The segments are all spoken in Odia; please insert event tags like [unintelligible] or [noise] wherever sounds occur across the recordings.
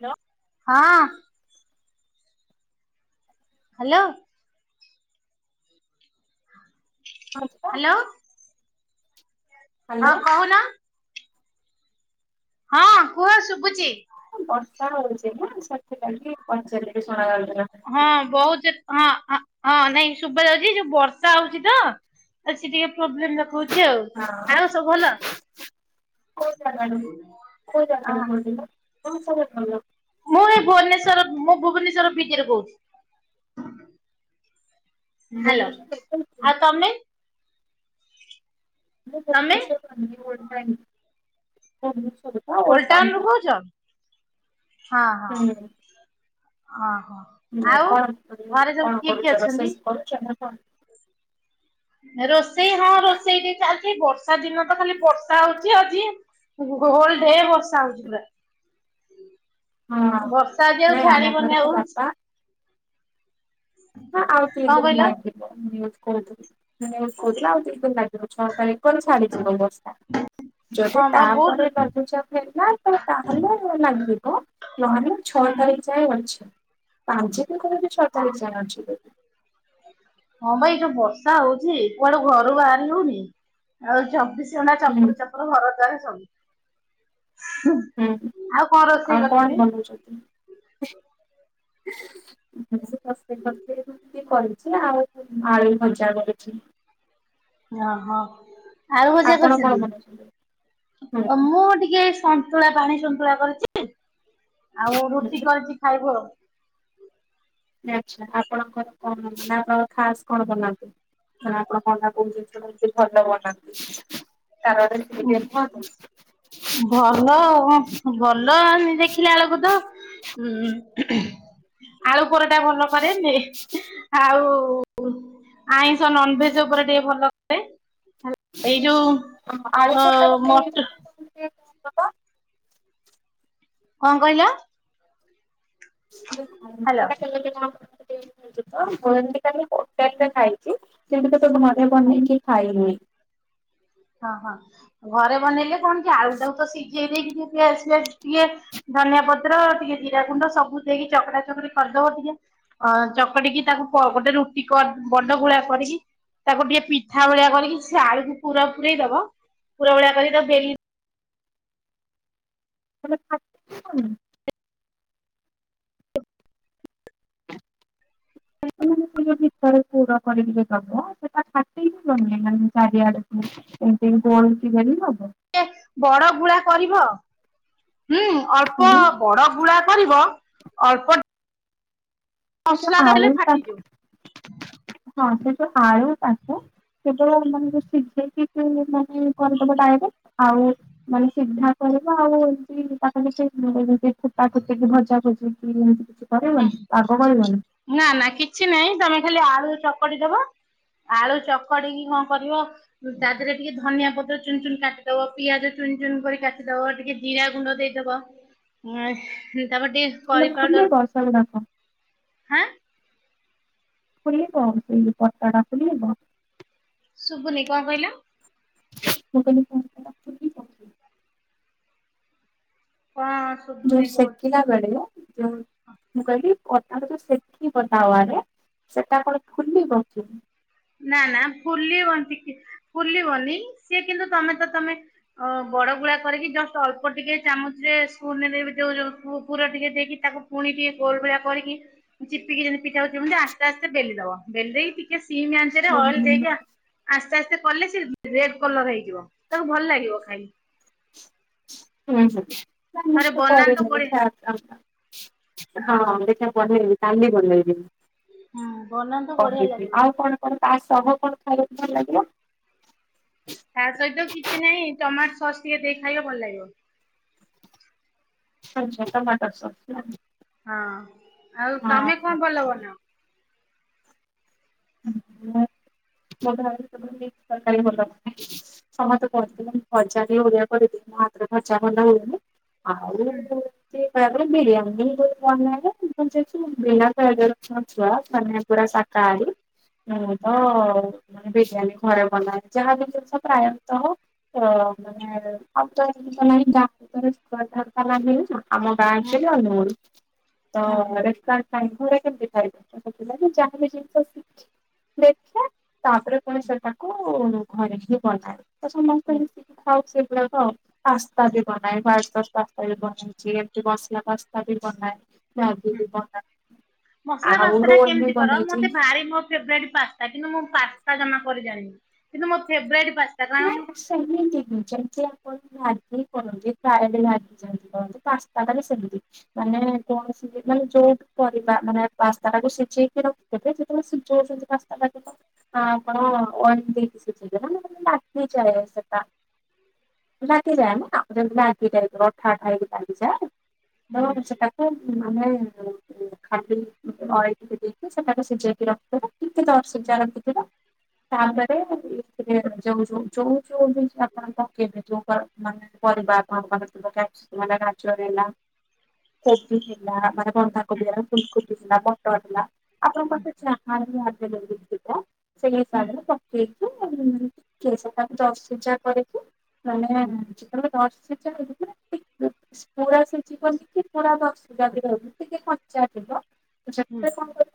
Hello hello. ମାଉସୀ ତ ହ୍ୟାଲୋ। ହଁ, କହୁନାଁ? ହଁ, କୁହ ଶୁଭୁଚି। ବର୍ଷା ହଉଛି ନାଁ ସେଥିପାଇଁ କି ପଚାରିଲି। ଶୁଣା ଯାଉ ନ ଥିଲା। ହଁ ବହୁତ ଯୋ ହଁ ହଁ ନାଇଁ ଶୁଭା ଯାଉଛି ଯୋଉ ବର୍ଷା ହଉଛି ତ ଏସି ଟିକେ ପ୍ରୋବ୍ଲେମ ଦେଖେଉଛି ଆଉ। ହଁ ଆଉ ସବୁ ଭଲ? କୋଉ ଯାଗାରୁ, କୋଉ ଜାଗାରୁ କହୁଥିଲ? [unintelligible] ମୁଁ ଏ ଭୁବନେଶ୍ଵର ମୁଁ ଭୁବନେଶ୍ୱର ଭିତରୁ କହୁଚି। ହେଲା। ଭୁବନେଶ୍ୱର ଆଉ ତମେ? ତମେ? [unintelligible] କୋଉ ଟାଉନ ଓଲଟାଉନରୁ ରୁ? କହୁଛ? ହୁଁ। ହଁ-ହଁ, ହୁଁ କଣ [unintelligible] କଣ କରୁଛ ଅଛନ୍ତି? ରୋଷେଇ କରୁଛ ନାଁ କଣ? ରୋଷେଇ ହଁ ରୋଷେଇ ଟିକେ ଚାଲିଛି ବର୍ଷା ଦିନ ତ ଖାଲି ବର୍ଷା ହଉଛି ଆଜି, ହୋଲଡେ ବର୍ଷା ହେଉଛି ପୁରା, ହଁ ଆଉ ବର୍ଷା ଆଜି ଆଉ ନାଇଁ ଆମ ଛାଡିବନି ଘରେ ଆଉ ତ କଣ ବାପା, ହଁ ଆଉ ତିନି ଦିନ କହିଲ ଲାଗିବ ନିଉଜ୍ କହୁ ନିଉଜ୍ କହୁଥିଲା ଆଉ ତିନି ଦିନ ଲାଗିବ ଛଅ ତାରିଖ, ତାପରେ ଛାଡି ଯିବ ବର୍ଷା, ଯଦି ହଁ ବା ତାପରେ ବହୁତ ଲଘୁଚାପ ହେଲା ତ ତାହେଲେ ଲାଗିବ, ନହେଲେ ଛଅ ହୁଁ ତାରିଖ ଯାଏ ଅଛି, ପାଞ୍ଚ ତାରିକି କି ଛ ତାରିଖ ଯାଏ ଅଛି, ହଁ ଭାଇ ଏ ଯୋଉ ବର୍ଷା ହଉଛି କୁଆଡ଼େ ଘରୁ ବାହାରି ହଉନି ଆଉ ଚବିଶ୍, ଝଣା ହୁଁ ଚପୁରୁ ଚାପଡ଼ ଘର ଦ୍ଵାର ସବୁ ହୁଁ, ଆଉ କଣ ରୋଷେଇ କରିଥିଲେ? କହୁଛନ୍ତି, ବେ [unintelligible] ସେ କରିଛି ଆଉ ଆଳୁ ଭଜା କରିଛି, ଏୟା ହଁ ଆଳୁ ଭଜା ଆପଣ କଣ କରିଛନ୍ତି ବନଉଛନ୍ତି? ହୁଁ ଅ ମୁଁ ଟିକେ ସନ୍, ସନ୍ତୁଳା ପାଣି ସନ୍ତୁଳା କରିଛି ଆଉ ରୁଟି ହୁଁ କରିଛି ଖାଇବ, ଆଚ୍ଛା ଆପଣଙ୍କର କଣ ପିଲାଙ୍କର ଖାସ୍ କଣ ବନାନ୍ତି? ସେ ଆପଣ ମନା କରୁଛନ୍ତିି କିନ୍ତୁ ଏମିତି ଭଲ ବନାନ୍ତି, ତାର ଗୋଟେ ବ୍ରେକଫାଷ୍ଟ, ଭଲ ଆଉ ଭଲ ଦେଖିଲା ବେଳକୁ ତ, ହୁଁ-ହୁଁ, ଆଳୁ ପରଟା ଭଲ କରେ ଯେ ଆଉ, ଆଇଁଷ ନନଭେଜ ଉପରେ ଟିକେ ଭଲ କରେ ଏଇ ଯୋଉ, ହଁ ଆଳୁ ଅ ପୁଳଟା ବି ମଟ କେମିତି କଣ [unintelligible] ହବ? କଁ କହିଲ? [unintelligible] ହ୍ୟାଲୋ। ଖାଇଛି, ସେଠି ତ ମନେ ପନିଁ କି ଖାଇନି, ହଁ-ହଁ ଘରେ ବନେଇଲେ କଣ କି ଆଳୁଟାକୁ ତ ସିଝେଇ ଦେଇକି ଟିକେ ପିଆଜ-ପିଆଜ ଟିକେ, ଧନିଆ ପତ୍ର ଟିକେ ଜିରା ଗୁଣ୍ଡ ସବୁ ଦେଇକି ଚକରା ଚକରି କରିଦବ ଟିକେ, ଅ ଚକଟିକି ତାକୁ ଗୋଟେ ରୁଟି କନ୍ ବଡ଼ ଗୋଳା କରିଛି, ତାକୁ ଟିକେ ପିଠା ଭଳିଆ କରିକି ସେ ଆଳୁକୁ ପୁରା ପୁରଇ ଦବ ପୁରା ଭଳିଆ କରିକି ତା ବେଲି, [unintelligible] ମାନେ ସେଇ ଯୋଉ ଭିତରେ ପୁର କରିକି ଦବ ସେଟା ଫାଟିକି ଗନି ମାନେ ଚାରିଆଡେକୁ, ସେମତି କଁ [unintelligible] ହବ, [unintelligible] ବଡ଼ ଗୁଳା କରିବ ହୁଁ ଅଳ୍ପ, ହୁଁ ବଡ଼ ଗୁଳା କରିବ ଅଳ୍ପ, ସେ ଯଉ ମସଲା ଆଳୁ ଦେଲେ ଫାଟିଯିବ ପାଚୋ ହଁ ସେ ଯଉ ଆଳୁ ପାଚାେ, କେବଳ ମାନେ ଯୋଉ ସିଝେଇକି ମାନେ କରିଦବଡଟ ଆଉ, ମାନେ ସିଧା କରିବ ଆଉ ଏମିତି ତାକୁ କିଛି ଏମତି ଫୁଟା ଫୁଟିକି ଭଜା ଭଜିକି ଏମତି, କି କରହିବନି ପାଗ କରିବନି, ନା-ନା କିଛି ନାହିଁ ତମେ ଖାଲି ଆଳୁ ଚକଡି ଦବ, ଆଳୁ ଚକଡିକି କଁ କରିବ, ତା ଦେହରେ ଟିକେ ଧନିଆ ପତ୍ର ଚୁନ-ଚୁନ କାଟିଦବ ପିଆଜ ଚୁନ- ଚୁନ କରି କାଟିଦବ ଟିକେ, ହିରା ଗୁଣ୍ଡ ଦେଇଦବ [unintelligible] ତାପରେ ଟିକେ କରି ପୁରା ପାଉଡର ଖୁଲିବ ସେଗୁଡାକ? ହାଁ? ଫୁଲିବ ସେଇ ଯୋଉ [inaudible] ଫୁଲିବ? ଶୁଭୁନି କଣ କଇଲ? ମୁଁ କଲି କଁ ହଁ। ଯୋଉ ସେକିଲା ବେଳେ ଯୋଉ ମୁଁ କଇଲି ପରଟା କୁ ଯୋଉ ଶେକିବ ତାୱାରେ ସେଟା କଣ ଫୁଲିବ କି? ନା ନା ବୁଲିବନି ଟିକେ ଫୁଲିବନି ସିଏ କିନ୍ତୁ ତମେ ତ ତମେ ଅ ବଡଗୁଳା କରିକି ଜଷ୍ଟ ଅଳ୍ପ ଟିକେ ଚାମଚରେ ସ୍ପୁନ୍ ରେ ଯୋଉ ଉ ପୁର ଟିକେ ଦେଇକି ତାକୁ ପୁଣି ଟିକେ ଗୋଲ ଭଳିଆ କରିକି ଚିପିକି ଯେମିତି ପିଠା ହଉଚି ସେମିତି ଆସ୍ତେ ଆସ୍ତେ ବେଲି ଦବ ବେଲି ଦେଇକି ଟିକେ ସ୍ ସିମ୍ ଆଞ୍ଚରେ ହୁଁ ହୁଁ। ଅଏଲ୍ ଦେଇକା ଆସ୍ତେ ଆସ୍ତେ କଲେ ସେ ରେଡ୍ କଲର ହେଇଯିବ ତାକୁ ଭଲ ଲାଗିବ ଖାଇଲେ। ହୁଁ ହୁଁ ନାଇଁ ମୁଁ ଥରେ ସେଟା ବନାନ୍ତୁ କରେନି ବି ବଢି [inaudible] ହଁ ଦେଖିଆ ବନେଇବି କାଲି ବନେଇବି। ହୁଁ ବନାନ୍ତୁ ବଢିଆ କହିବି ଲାଗିବ। ଆଉ କଣ କଣ ତା ସହ କଣ ଖାଇବାକୁ ଭଲ ଲାଗିଲା? ତା ସହିତ କିଛି ନାଇଁ ଟମାଟୋ ସସ୍ ଟିକେ ଦେଇ ଖାଇବ ଭଲ ଲାଗିବ। ଆଛା ଟମାଟର୍ ସକ୍ସ୍ ନା? ହଁ ଆଉ ତମେ ହଁ କଁ ଭଲ ବନାଅ? [inaudible] ତର୍କାରି ଭଲ। ସମସ୍ତେ କହିଥିଲେ ମୁ ଭଜା ଟିକେ ଅଧିକା କରିଦେଲେ ମୋ ହାତରେ ଭଜା ଭଲ ହୁଏନି ଆଉ ହୁଁ ସିଏ ତାପରେ ବିରିଆନି କଲେ [inaudible] ପୁଡା ଶାକାହାରି ମୁଁ ତ ମାନେ ବିରିୟାନୀ ଘରେ ବନାଏ ଯାହାବି ଜିନିଷ ପ୍ରାୟତଃ [unintelligible] ଆମ ଗାଁ ହୁଁ ଆଚୁଆଲି ଅନୁଗୁଳୁ ତ ହୁଁ ହୁଁ ହୁଁ [unintelligible] ସବୁ ବେଳେ କେମିତି ଖାଇବୁ। ଗୋଟେ ପିଲାବିଯାହାବ ବି ଜିନିଷ ଶିଖି ଦେଖେ ତାପରେ ପୁଣି ସେଟାକୁ ଘରେ ହିଁ ବନାଏ ତ ସମସ୍ତ [inaudible] ହୁଁ ଖାଉ ମଶିକି ଖାଉ ସେଗୁଡ଼ାକ ଆଉ। ପାସ୍ତା ବି ବନାଏ ୱଇଟ୍ ସସ୍ ପାସ୍ତା ବି ବନେଇଛି [inaudible] ମ୍ୟାଗି ହୁଁ ବି ବନାଏ ମସଲା ଆଉ ରୋଡ୍ ବି ବନେଇଚି। ଫେବ୍ରାଇଟି ପାସ୍ତା କିନ୍ତୁ ମୁଁ ପାସ୍ତା ଜମା କରି ଜାଣିନି କିନ୍ତୁ ମୋ ଫେବ୍ଟ୍ ରାଇଟ୍ ପାସ୍ତା କାରଣ ମୁଁ [inaudible] [inaudible] ପାସ୍ତା ଟା ବି ସେଏମିତି। ମାନେ କୌଣସି ଦିନ ଯୋଉ ବି ପରିବା ମାନେ ପାସ୍ତା ଟାକୁ ସିଝେଇକି ରଖ୍ ତାପରେ ଯେତେବେଳେ ସିଝେଉନ୍ତି ପାସ୍ତା ଟାକୁ ତ [inaudible] ନି ଚଳେ ସେଟା। ଲାଗିଯାଏ [inaudible] ମାନେ ଉଁ ଖାଲି ଅଏଲ୍ ଦେଇକି ସେଟାକୁ ସିଝେଇକି ରଖିଦବ। [inaudible] ଯୋଉ ଯୋଉ ଯୋଉ ଯୋଉ ବି ଆପଣଙ୍କ [inaudible] ମାନେ ପରିବା ଆପଣଙ୍କ ପାଖେ କ୍ୟାପ୍ସି କମ୍ ହେଲା ଗାଜର ହେଲା କୋବି ହେଲା ମାନେ ବନ୍ଧାକୋବି ହେଲା ଫୁଲକୋବି ହେଲା ମଟର ହେଲା। ଆପଣଙ୍କ ପାଖରେ ଯାହା [inaudible] ସେଇ ହିସାବରେ ପକେଇକି [inaudible] [inaudible] କରିକି। ମାନେ ହୁଁ ଯେତେବେଳେ ନର୍ସିଂ [unintelligible] ପୁରା ସିଝିବନି କି ପୁରା ଦରସିଝା ବି ରହିବନି ଟିକେ କଞ୍ଚା ଥିବ। କଣେ ହୁଁ ପ୍ରସ୍ ସବୁ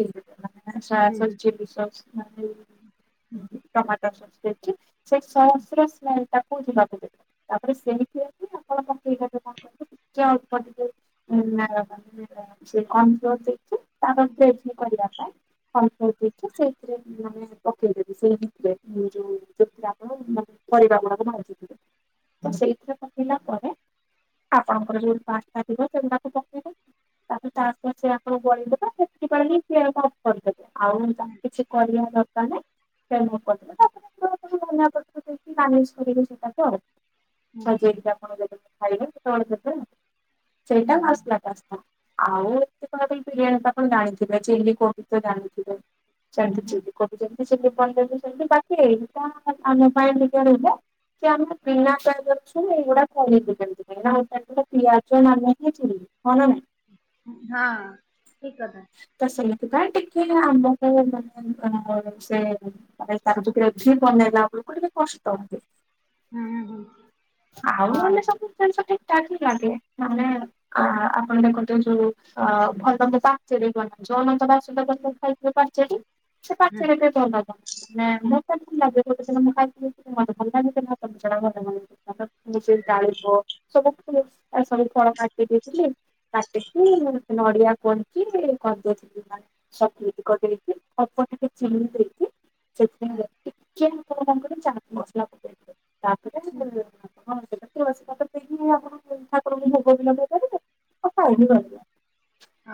ଦେଇଦବା ମାନେ ସୋୟା ହୁଁ sauce chilli sauce. [unintelligible] Tomato sauce ଦେଇଛି ସେଇ ସସ ର ସ୍ମେଲ ଟାକୁ ଯିବାକୁ ଦେବ। ତାପରେ ସେମଥି ହେଇକି ଆପଣ ପାଖ କଣ କର ଟ ଅଳ୍ପ ଟିକେ ସେ କନଫ୍ଲୋର ଦେଇକି ତାର ଫ୍ଲେମ କୁ କରିବା ପାଇଁ କ ସେଇଥିରେ ମାନେ ପକେଇଦେବି ସେଇ ଥିଲେ ଯୋଉ ଆପଣା ପରିବା ଗୁଡାକୁ ଭାଜିବେ। ହୁଁ ତ ସେଇଥିରେ ପକେଇଲା ପରେ ଆପଣଙ୍କର ଯୋଉ ଆସ୍ତା ଥିବ ସେଗୁଡ଼ାକୁ ପକେଇବେ। ତାକୁ ହୁଁ ହୁଁ ଚାଷସ ଆପଣ କରିଦବେ ସେଥିପାଇଁ ହିଁ ସେ ଅଫ୍ କରିଦେବେ ଆଉ ହୁଁ କିଛି କରିବା ଦ ଦରକାର ନାହିଁ ତାପରେଙ୍କୁ ମନ କରିି ମାନ କର ସେଟା ହୁଁ ସଜେଇକି ଆପଣ ଯଦି ଖାଇବେ ଯେତେବେଳେ ଦେବେ। ହୁଁ ସେଇଟା ହୁଁ ମାସଲା ପାସ୍ତା। ଆଉ ଏମତି କହିବାକୁ ଗଲେ ବିରିୟାନୀ ତ ଆପଣ ଜାଣିଥିବେ ଚିଲି କୋବି ତ ଜାଣିଥିବେ। ସେମିତି ହୁଁ ଚିଲି କୋବି ଯେମିତି ପନିର ସେମିତି ବାକି ଏଟା ଆମ ପାଇଁ ଟିକେ ରହିଲା। କି ଆମେ ବିନା ପିଆଜ ରସୁଣ ଏଗୁଡା ଆମେ କରିବୁ କେମିତି। ବିନା ପିଆଜ ମାନେ ହି ଚିଲି ହଁ ନା ନାଇଁ। ହଁ ଠିକ୍ କଥା। ତ ସେଇଥିପାଇ ଟିକେ ଆମକୁ ସେ ମାନେ ତାର ଭିତରେ ଅଛି ବନେଇଲା ବେଳକୁ ଟିକେ କଷ୍ଟ ହୁଏ। ହୁଁ ହୁଁ ହୁଁ ଆଉ ହଁ ନହେଲେ ସବୁ ଜିନିଷ ଠିକ ଠାକ ହିଁ ଲାଗେ ମାନେ ଆ ଆପଣ ଦେଖନ୍ତୁ ଯୋଉ ଅ ଭଲେ ପାଚେରୀ ବନାଛ ଅନନ୍ତ ବାସୁଦ ଖାଇଥିଲେ ପାଚେରୀ ସେ ହୁଁ ପାଚେରୀରେ ମତେ ହୁଁ ଭଲ ଲାଗେ ଗୋଟେ ଦିନ ମୁଁ ଖାଇଥିଲି ମତେ ଭଲ ଲାଗିଥିଲା। ମୁ ସେଇ ଡାଳିମ୍ୱ ସବୁ ସବୁ ଫଳ କାଟି ଦେଇଥିଲି। କାଟିକି ନଡିଆ କୋରିକି କରିଦେଇଥିଲି ସ କରି ଦେଇେଇକି। ଅଳପ ଟିକେ ଚିନ ଦେଇକି ହୁଁ ସେଥିପାଇଁ ଟିକେ ହବ କଣ କହିଲ ଚାଟ ମସଲା ପକେଇ ଥିଲି। ହୁଁ। ହଁ ସେଟା ତୁଳସୀ ପତ୍ର ଦେଇକି ଆପଣ ଠାକୁରଙ୍କୁ ଭୋଗ ବି ଲଗେଇପାରିବେ। ଆଉ ଖାଇ ବି ପାରିବେ।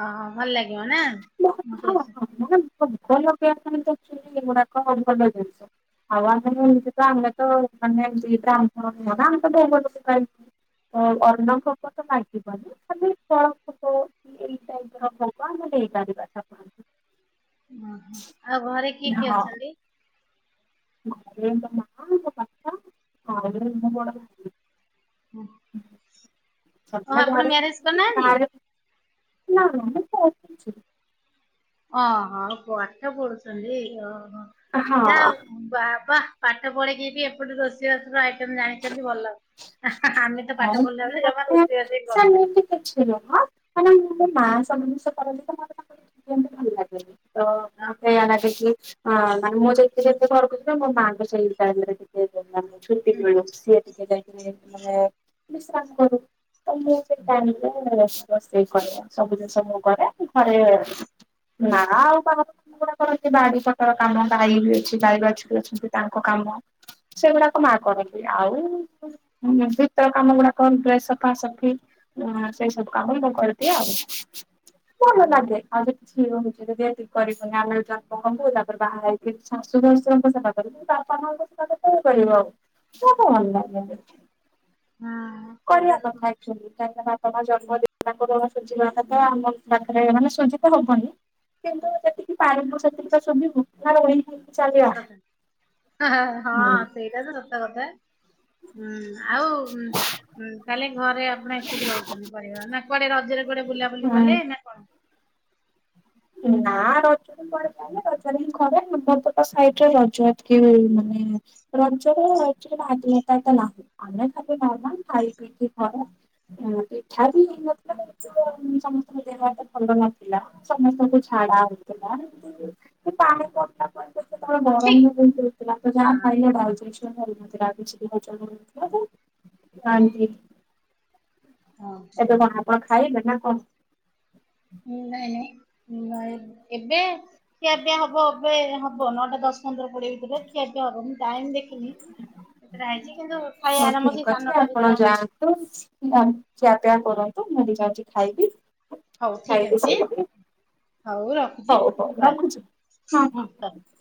ହଁ ଭଲ ଲାଗିବ ନା। ମାନେ ଭୋଗ ଲଗେଇବା ପାଇଁ ତ ଆକଚୁଆଲି ଏଗୁଡାକ ଭଲ ଜିନିଷ। ଆଉ ଆମେ ଏମିତିକା ଆମେ ତ ଆମେ ଦିଟା ଆମର [unintelligible] ଆ ଅର୍ଣ୍ଣ ଭୋଗ ତ ଲାଗିବନି ଖାଲି ଫଳ ଭୋଗ ଏଇ ଟାଇପର ଭୋଗ ଆମେ ଦେଇପାରିବା ଠା ଓହୋ ଆଉ ଘରେ କିଏ କିଏ ଅଛନ୍ତି? ଆଉଟ ମା ଏ ପପା ଆଉ ମୁ ବଡ। ଓ ଆପଣ ଘରେ ମ୍ୟାରେଜ କରିନାହାନ୍ତି? ଥାଏ। ନା ନା ମୁ ଓହୋ ପାଠ ପଢୁଛନ୍ତି ଓହୋ ଯା ହଁ ହୋଉ। ବାବା ପାଠ ପଢେଇିକି ବି ଏପଟେ ରୋଷେଇ ବାସର ଆଇଟମ ଜାଣିଛନ୍ତି ଭଲ ଆମେ ପାଠ ପଢ଼ିଲା ବେଳେ ଜମା ମାନେ ରୋଷେଇବାସହିଁ କରୁନୁ। ସେମିତି କିଛି ନୁହ ମାନେ ମୋ ମା ସବୁ ଯିନିଷ କରନ୍ତି ତ ମତେ ତାଙ୍କ ଠାରୁ ଶିଖିବାକୁ ଭଲ ଲାଗେ। ତ ନା। ମତେ ଏଇ ଲାଗିକି ମାନେ ମୁଁ ସେି ଯେତେ ଘରକୁଛି ମୋ ମାଆଙ୍କୁ ସେଇ ଜରେ। ଛୁଟି ହୁଁ ସି ଟିକେ ଯାଇକ ମାନେ କାମ କରୁ। [unintelligible] ତ ମୁଁ ସେଇ ଟାଇମ୍ ରେ ରୋଷେଇ କରିବା ସବୁ ଜିନିଷ ମୁ କରେ ଘରେ। ନା ଆଉ ତା କ କରନ୍ତି ବାଡି ପଖାର କାମ ଗାଇ ବି ଅଛି ଗାଇଗଛୀ ଅଛନ୍ତି ତାଙ୍କ କାମ ସେଗୁଡାକ ମା କରନ୍ତି ଆଉ କାମ ଗୁଡା କ ଡ୍ରେସ୍ ସଫା ସଫି, ସେଇ ସବୁ କାମ ମୁ କରିଦିଏ ଆଉ। ଭଲ ହୁଁ ଲାଗେ। [unintelligible] ତାପରେ ବାହା ହେଇକି ଶାଶୁ ଶଶୁଙ୍କ ସେବା କରେ। ବାପା ମାଙ୍କ। [unintelligible] ହଁ। କରିବା ସେଇଟା ତ କଥା ଆକ୍ଚୁଆଲି। ବାପା ମା [unintelligible] ହବନି। କିନ୍ତୁ ଯେତିକି ପାରିବୁ ସେତିକି ତ ସବୁ [unintelligible] [unintelligible] ହଁ ସେଇଟା ତ ସତ କଥା। ହୁଁ, ଆଉ ହୁଁ ତାହେଲେ ଘରେ ଆପଣ ଏତିକି ରହୁଛନ୍ତି ପରିବାର, ନା କୁଆଡେ ରଜରେ କୁଆଡେ ବୁଲାବୁଲି ହୁଁ କଲେ ନା କଣ? ନାଁ ରଜ [unintelligible] [unintelligible] ପିଠା ବି, [unintelligible] ସମସ୍ତଙ୍କ ଦେହ ତ ଭଲ ନଥିଲା। ସମସ୍ତଙ୍କୁ ଠିକ ହଁ ହଁ [unintelligible] ହୁଁ, ହୁଁ, [unintelligible] ହଁ ହଁ। ଏବେ କଣ, ଆପଣ ଖାଇବେ ନା କଣ? ନାଇଁ ନାଇଁ [unintelligible] ଏବେ ଖିଆ ହବ ଏବେ, ହ ହବ ନଅଟା ଦଶ ପନ୍ଦର କଡିଏ ଭିତରେ ଖିଆ ପିଆ ହବ। ମୁଁ ଟାଇମ ଦେଖ ଖାଇବା ହଉ ଆରମ୍ଭ ସେଇ ଠିକ ସାଢେ ଅଛି ନଅଟା ଆପଣ ଭିତରେ ଆମର ଯାଆନ୍ତୁ। ଖିଆପିଆ କରନ୍ତୁ, ମୁଁ ବି ଯାଉଛି ଖାଇବି, ହଉ ଠିକ ଖାଇକି ଅଛି ଶୋଇବି। ହଉ ରଖୁଛି ହଉ ହଉ ବାଏ ରଖୁଛି? ହଁ ହୁଁ ହଁ। ବାଏ।